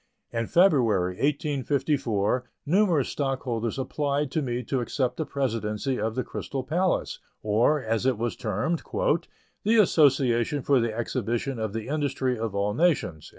In February, 1854, numerous stockholders applied to me to accept the Presidency of the Crystal Palace, or, as it was termed, "The Association for the Exhibition of the Industry of all Nations."